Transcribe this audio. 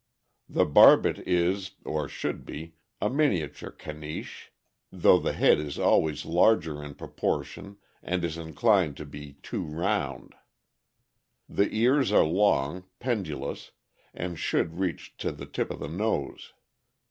The Barbet is, or should be, a miniature Caniche, though 622 THE AMERICAN BOOK OF THE DOG. the head is always larger in proportion and is inclined to be too round. The ears are long, pendulous, and should reach to the tip of the nose.